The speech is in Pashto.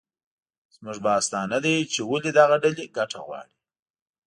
زموږ بحث دا نه دی چې ولې دغه ډلې ګټه غواړي